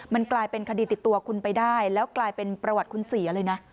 มันกลายเป็นคดีติดตัวคุณไปได้แล้วกลายเป็นประวัติคุณเสียเลยนะ